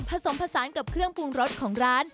ผสมผสานกับเครื่องปรุงรสของร้าน